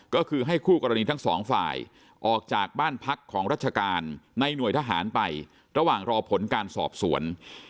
ก็คือให้คู่กรณีทั้งสองฝ่ายออกจากบ้านพักของราชการในหน่วยทหารไประหว่างรอผลการสอบสวน